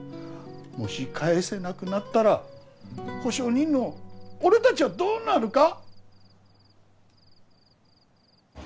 もし返せなくなったら保証人の俺たちはどうなるか。